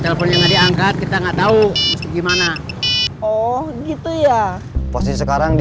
teleponnya nggak diangkat kita nggak tahu gimana oh gitu ya posisi sekarang di